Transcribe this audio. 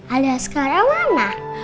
adiaskar emang mana